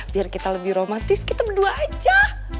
biar kita lebih romantis kita berdua aja